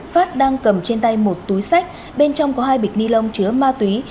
phát đang cầm trên tay một túi sách bên trong có hai bịch ni lông chứa ma túy